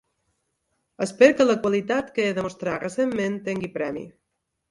Espero que la qualitat que he demostrat recentment tingui premi.